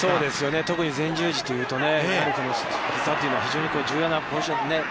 特に前十字というとやはりひざというのは非常に重要な。